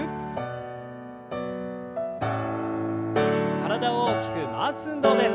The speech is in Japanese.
体を大きく回す運動です。